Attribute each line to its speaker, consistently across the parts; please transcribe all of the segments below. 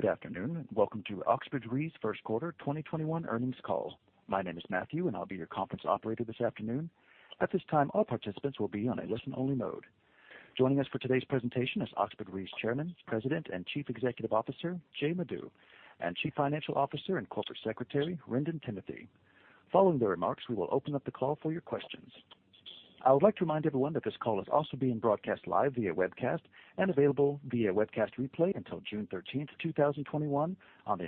Speaker 1: Good afternoon. Welcome to Oxbridge Re's first quarter 2021 earnings call. My name is Matthew, I'll be your conference operator this afternoon. At this time, all participants will be on a listen-only mode. Joining us for today's presentation is Oxbridge Re's Chairman, President, and Chief Executive Officer, Jay Madhu, and Chief Financial Officer and Corporate Secretary, Wrendon Timothy. Following their remarks, we will open up the call for your questions. I would like to remind everyone that this call is also being broadcast live via webcast and available via webcast replay until June 13th, 2021 on the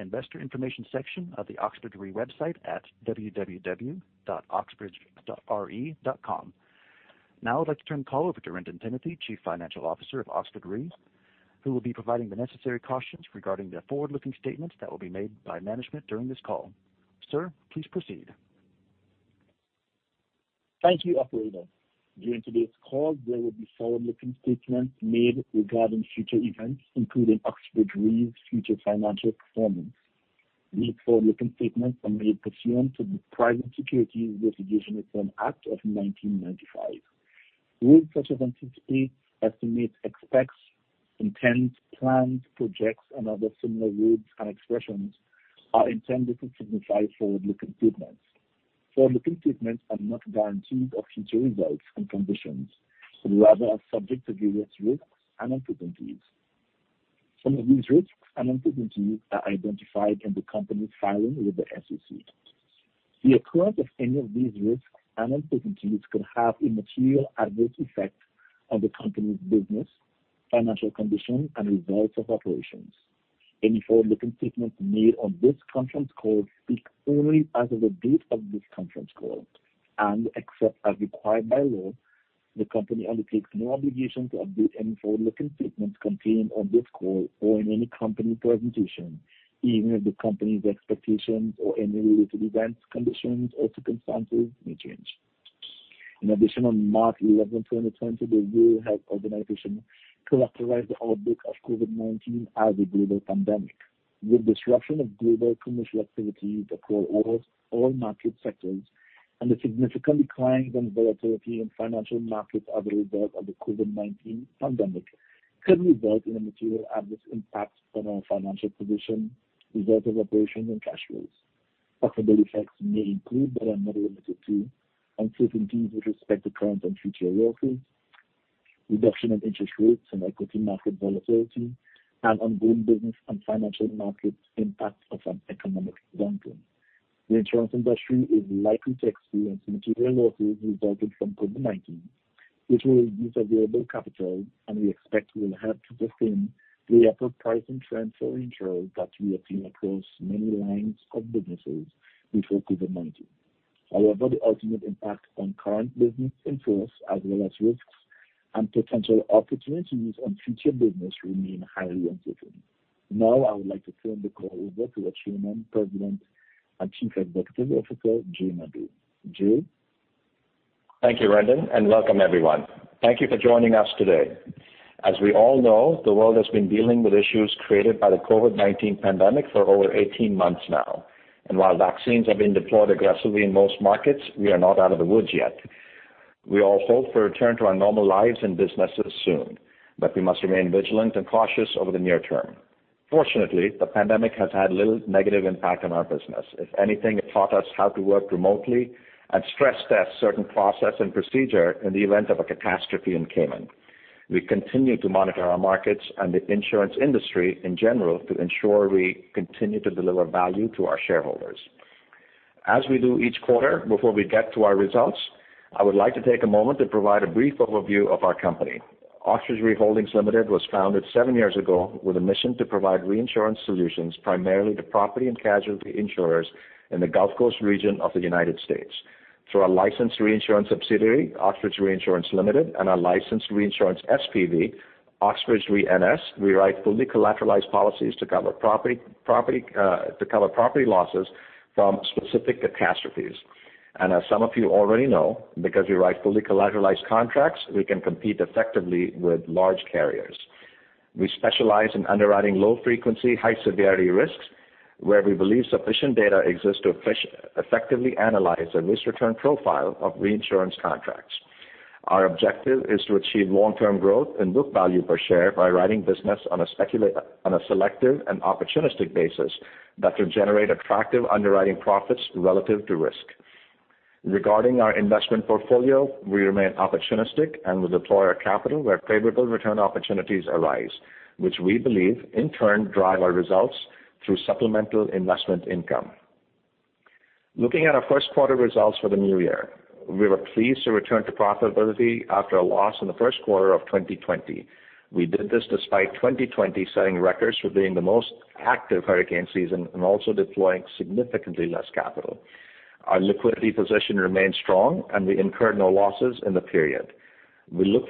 Speaker 1: Investor Information section of the Oxbridge Re website at www.oxbridgere.com. I'd like to turn the call over to Wrendon Timothy, Chief Financial Officer of Oxbridge Re, who will be providing the necessary cautions regarding the forward-looking statements that will be made by management during this call. Sir, please proceed.
Speaker 2: Thank you, operator. During today's call, there will be forward-looking statements made regarding future events, including Oxbridge Re's future financial performance. These forward-looking statements are made pursuant to the Private Securities Litigation Reform Act of 1995. Words such as anticipate, estimate, expect, intend, plan, project, and other similar words and expressions are intended to signify forward-looking statements. Forward-looking statements are not guarantees of future results and conditions, and rather are subject to various risks and uncertainties. Some of these risks and uncertainties are identified in the company's filing with the SEC. The occurrence of any of these risks and uncertainties could have a material adverse effect on the company's business, financial condition, and results of operations. Any forward-looking statements made on this conference call speak only as of the date of this conference call, and except as required by law, the company undertakes no obligation to update any forward-looking statements contained on this call or in any company presentation, even if the company's expectations or any related events, conditions, or circumstances may change. In addition, on March 11th, 2020, the World Health Organization characterized the outbreak of COVID-19 as a global pandemic. The disruption of global commercial activity that flow out of all market sectors and the significant declines in volatility in financial markets as a result of the COVID-19 pandemic could result in a material adverse impact on our financial position, results of operations, and cash flows. Possible effects may include, but are not limited to, uncertainties with respect to current and future losses, reduction of interest rates and equity market volatility, and ongoing business and financial market impacts of an economic downturn. The insurance industry is likely to experience material losses resulting from COVID-19, which will use available capital and we expect will help to sustain the upward pricing trends for insurance that we have seen across many lines of businesses before COVID-19. The ultimate impact on current business inflows as well as risks and potential opportunities on future business remain highly uncertain. I would like to turn the call over to our Chairman, President, and Chief Executive Officer, Jay Madhu. Jay?
Speaker 3: Thank you, Wrendon, and welcome everyone. Thank you for joining us today. As we all know, the world has been dealing with issues created by the COVID-19 pandemic for over 18 months now. While vaccines have been deployed aggressively in most markets, we are not out of the woods yet. We all hope for a return to our normal lives and businesses soon, but we must remain vigilant and cautious over the near term. Fortunately, the pandemic has had little negative impact on our business. If anything, it taught us how to work remotely and stress-test certain process and procedure in the event of a catastrophe in Cayman. We continue to monitor our markets and the insurance industry in general to ensure we continue to deliver value to our shareholders. As we do each quarter, before we get to our results, I would like to take a moment to provide a brief overview of our company. Oxbridge Re Holdings Limited was founded seven years ago with a mission to provide reinsurance solutions primarily to property and casualty insurers in the Gulf Coast region of the U.S. Through our licensed reinsurance subsidiary, Oxbridge Reinsurance Limited, and our licensed reinsurance SPV, Oxbridge Re NS, we write fully collateralized policies to cover property losses from specific catastrophes. As some of you already know, because we write fully collateralized contracts, we can compete effectively with large carriers. We specialize in underwriting low frequency, high severity risks, where we believe sufficient data exists to effectively analyze the risk return profile of reinsurance contracts. Our objective is to achieve long-term growth and book value per share by writing business on a selective and opportunistic basis that will generate attractive underwriting profits relative to risk. Regarding our investment portfolio, we remain opportunistic and we deploy our capital where favorable return opportunities arise, which we believe in turn drive our results through supplemental investment income. Looking at our first quarter results for the new year, we were pleased to return to profitability after a loss in the first quarter of 2020. We did this despite 2020 setting records for being the most active hurricane season and also deploying significantly less capital. Our liquidity position remains strong, and we incurred no losses in the period. We look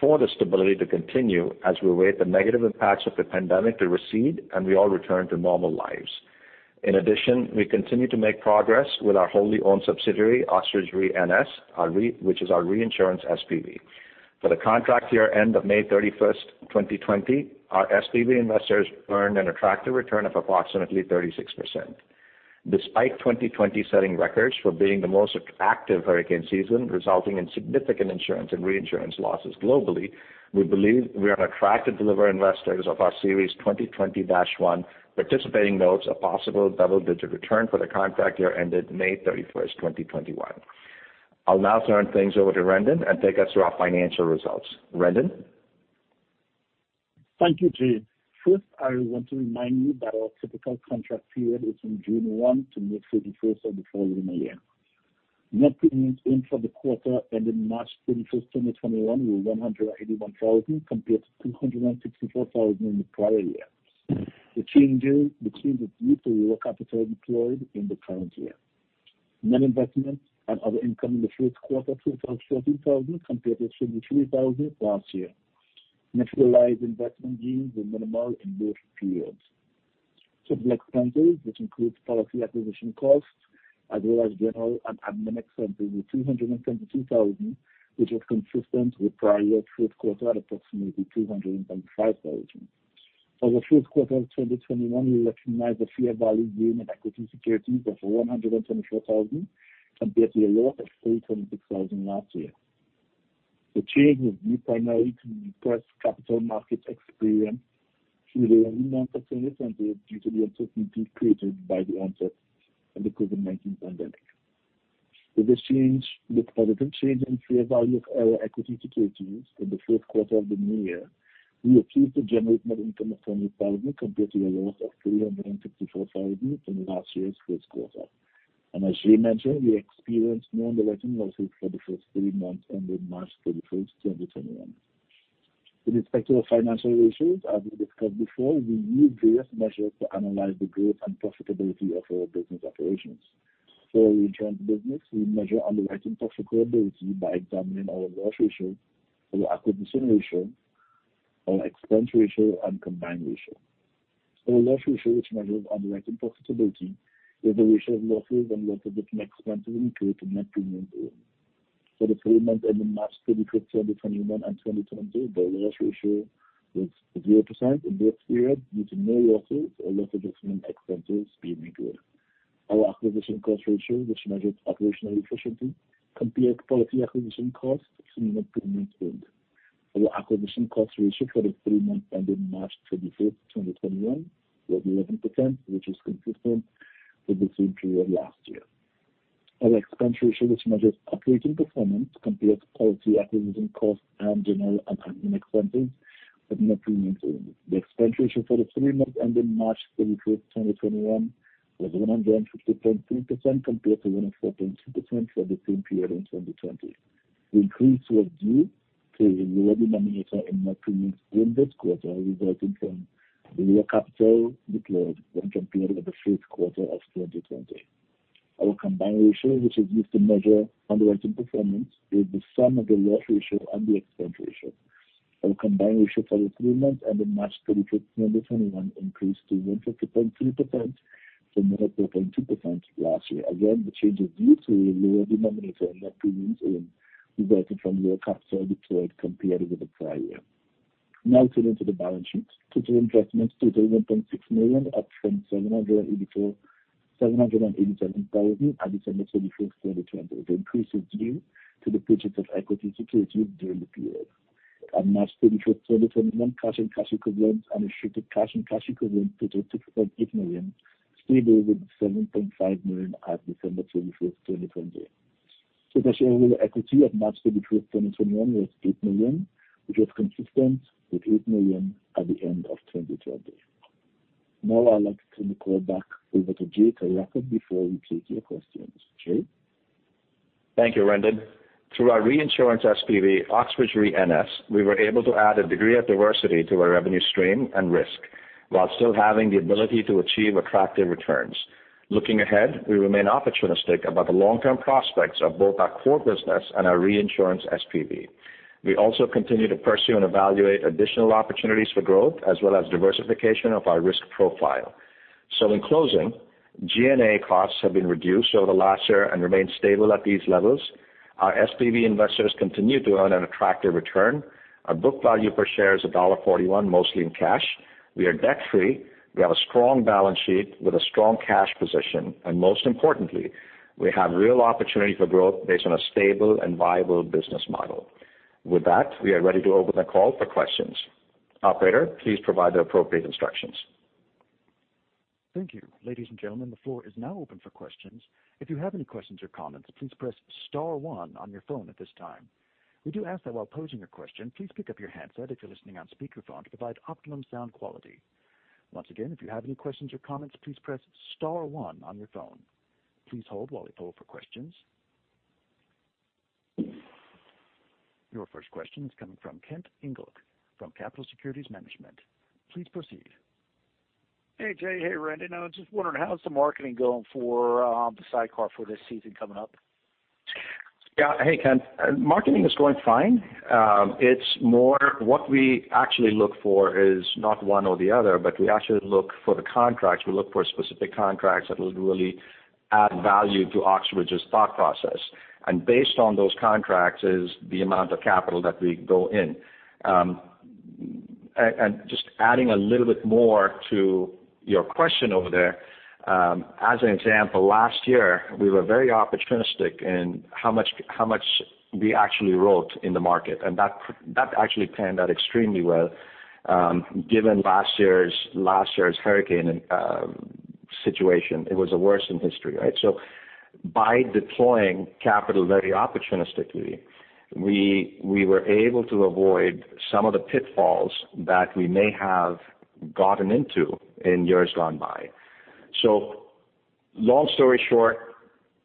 Speaker 3: for the stability to continue as we await the negative impacts of the pandemic to recede and we all return to normal lives. In addition, we continue to make progress with our wholly owned subsidiary, Oxbridge Re NS, which is our reinsurance SPV. For the contract year end of May 31st, 2020, our SPV investors earned an attractive return of approximately 36%. Despite 2020 setting records for being the most active hurricane season, resulting in significant insurance and reinsurance losses globally, we believe we are on track to deliver investors of our Series 2020-1 participating notes a possible double-digit return for the contract year ended May 31st, 2021. I'll now turn things over to Wrendon and take us through our financial results. Wrendon?
Speaker 2: Thank you, Jay. First, I want to remind you that our typical contract period is from June 1 to May 31st of the following year. Net premiums earned for the quarter ending March 31st, 2021, were $181,000 compared to $264,000 in the prior year. The changes between the two were capital deployed in the current year. Net investment and other income in the first quarter totaled $14,000 compared with $33,000 last year. Net realized investment gains were minimal in both periods. Subject expenses, which include policy acquisition costs as well as general and admin expenses, were $322,000, which is consistent with prior year first quarter at approximately $225,000. For the first quarter of 2021, we recognized a fair value gain on equity securities of $124,000 compared to a loss of $326,000 last year. The change is due primarily to depressed capital market experience through the remainder of 2020 due to the uncertainty created by the onset of the COVID-19 pandemic. With the positive change in fair value of our equity securities for the first quarter of the new year, we are pleased to generate net income of $20,000 compared to a loss of $364,000 from last year's first quarter. As Jay mentioned, we experienced no underwriting losses for the first three months ended March 31st, 2021. With respect to our financial ratios, as we discussed before, we use various measures to analyze the growth and profitability of our business operations. For reinsurance business, we measure underwriting profitability by examining our loss ratio, our acquisition ratio, our expense ratio, and combined ratio. Our loss ratio, which measures underwriting profitability, is the ratio of losses and loss adjustment expenses incurred to net premiums earned. For the three months ending March 31st, 2021 and 2020, the loss ratio was 0% in both periods due to no losses or loss adjustment expenses being incurred. Our acquisition cost ratio, which measures operational efficiency, compares policy acquisition costs to net premiums earned. Our acquisition cost ratio for the three months ending March 31st, 2021, was 11%, which is consistent with the same period last year. Our expense ratio, which measures operating performance, compares policy acquisition costs and general and admin expenses with net premiums earned. The expense ratio for the three months ending March 31st, 2021, was 150.3% compared to 104.2% for the same period in 2020. The increase was due to a lower denominator in net premiums earned this quarter, resulting from the lower capital deployed when compared with the first quarter of 2020. Our combined ratio, which is used to measure underwriting performance, is the sum of the loss ratio and the expense ratio. Our combined ratio for the three months ending March 31st, 2021, increased to 150.3% from 112.2% last year. Again, the change is due to a lower denominator in net premiums earned resulting from lower capital deployed compared with the prior year. Now turning to the balance sheet. Total investments totaled $1.6 million up from $787,000 at December 31st, 2020. The increase is due to the purchase of equity securities during the period. At March 31st, 2021, cash and cash equivalents and restricted cash and cash equivalents totaled $6.8 million, stable with $7.5 million at December 31st, 2020. Total shareholder equity at March 31st, 2021, was $8 million, which was consistent with $8 million at the end of 2020. Now I'd like to turn the call back over to Jay to wrap up before we take your questions. Jay?
Speaker 3: Thank you, Wrendon. Through our reinsurance SPV, Oxbridge Re NS, we were able to add a degree of diversity to our revenue stream and risk while still having the ability to achieve attractive returns. Looking ahead, we remain opportunistic about the long-term prospects of both our core business and our reinsurance SPV. We also continue to pursue and evaluate additional opportunities for growth as well as diversification of our risk profile. In closing, G&A costs have been reduced over the last year and remain stable at these levels. Our SPV investors continue to earn an attractive return. Our book value per share is $1.41, mostly in cash. We are debt-free. We have a strong balance sheet with a strong cash position, and most importantly, we have real opportunity for growth based on a stable and viable business model. With that, we are ready to open the call for questions. Operator, please provide the appropriate instructions.
Speaker 1: Thank you. Ladies and gentlemen, the floor is now open for questions. If you have any questions or comments, please press star one on your phone at this time. We do ask that while posing your question, please pick up your handset if you are listening on speakerphone to provide optimum sound quality. Once again, if you have any questions or comments, please press star one on your phone. Please hold while we poll for questions. Your first question is coming from Kent Engelke from Capitol Securities Management. Please proceed.
Speaker 4: Hey, Jay. Hey, Wrendon. I was just wondering how's the marketing going for the sidecar for this season coming up?
Speaker 3: Hey, Kent. Marketing is going fine. What we actually look for is not one or the other, but we actually look for the contracts. We look for specific contracts that will really add value to Oxbridge's thought process. Based on those contracts is the amount of capital that we go in. Just adding a little bit more to your question over there. As an example, last year we were very opportunistic in how much we actually wrote in the market, and that actually panned out extremely well given last year's hurricane situation. It was the worst in history, right? By deploying capital very opportunistically, we were able to avoid some of the pitfalls that we may have gotten into in years gone by. Long story short,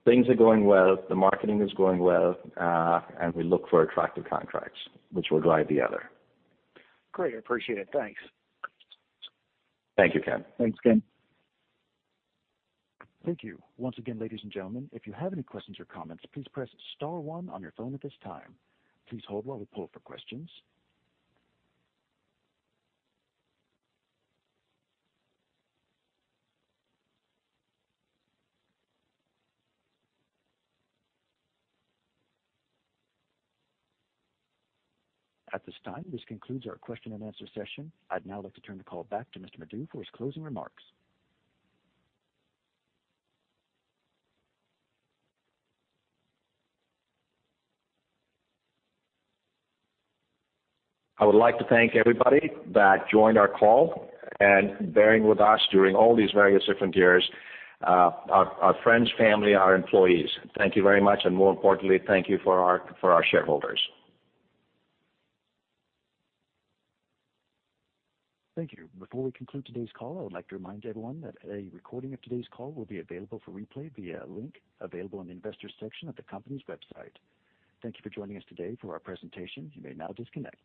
Speaker 3: things are going well. The marketing is going well. We look for attractive contracts, which will drive the other.
Speaker 4: Great. Appreciate it. Thanks.
Speaker 3: Thank you, Kent.
Speaker 2: Thanks Kent.
Speaker 1: Thank you. Once again, ladies and gentlemen, if you have any questions or comments, please press star one on your phone at this time. Please hold while we pull for questions. At this time, this concludes our question-and-answer session. I'd now like to turn the call back to Mr. Madhu for his closing remarks.
Speaker 3: I would like to thank everybody that joined our call and bearing with us during all these various different years, our friends, family, our employees. Thank you very much, and more importantly, thank you for our shareholders.
Speaker 1: Thank you. Before we conclude today's call, I would like to remind everyone that a recording of today's call will be available for replay via a link available in the Investor section of the company's website. Thank you for joining us today for our presentation. You may now disconnect.